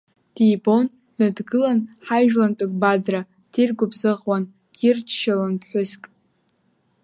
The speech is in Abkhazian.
Дибон дныдгылан ҳажәлантәык Бадра, диргәыбзыӷуан, дирччалон ԥҳәыск.